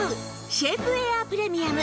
シェイプエアープレミアム